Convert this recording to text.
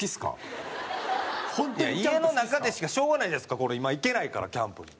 いや家の中でしかしょうがないじゃないですか今行けないからキャンプに。